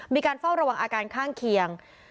มีการเฝ้าระวังอาการข้างเคียง